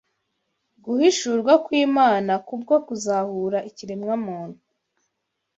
Guhishurwa kw’Imana kubwo kuzahura ikiremwamuntu.